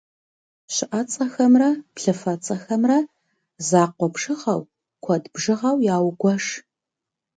Щыӏэцӏэхэмрэ плъыфэцӏэхэмрэ закъуэ бжыгъэу, куэд бжыгъэу яугуэш.